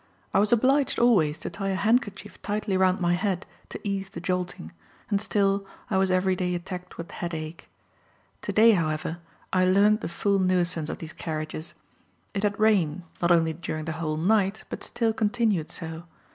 I was obliged always to tie a handkerchief tightly round my head, to ease the jolting; and still, I was every day attacked with headache. Today, however, I learnt the full nuisance of these carriages. It had rained, not only during the whole night, but still continued so.